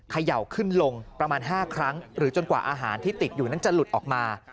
เขย่าขึ้นลงประมาณ๕ครั้งหรือจนกว่าอาหารที่ติดอยู่นั้นจะหลุดออกมา